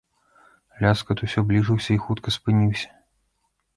Ляскат усё бліжыўся і хутка спыніўся.